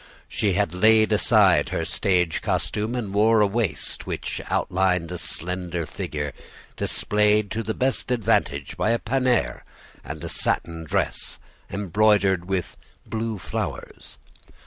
She had laid aside her stage costume, and wore a waist which outlined a slender figure, displayed to the best advantage by a panier and a satin dress embroidered with blue flowers.